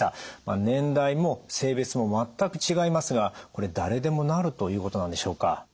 年代も性別も全く違いますがこれ誰でもなるということなんでしょうか？